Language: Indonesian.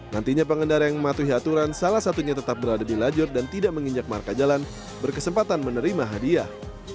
nantinya pengendara yang mematuhi aturan salah satunya tetap berada di lajur dan tidak menginjak marka jalan berkesempatan menerima hadiah